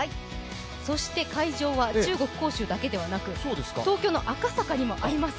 そして会場は中国・杭州だけではなく、東京の赤坂にもあります。